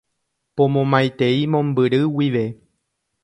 Pomomaitei mombyry guive.